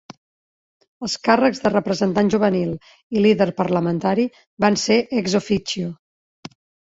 Els càrrecs de Representant Juvenil i Líder Parlamentari van ser "ex officio".